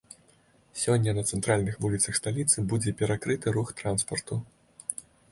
Сёння на цэнтральных вуліцах сталіцы будзе перакрыты рух транспарту.